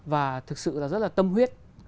và thực sự là rất là tâm huyết